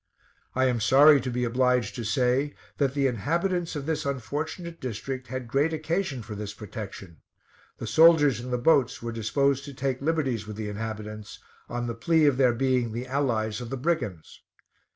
I am sorry to be obliged to say, that the inhabitants of this unfortunate district had great occasion for this protection. The soldiers in the boats were disposed to take liberties with the inhabitants, on the plea of their being the allies of the brigands.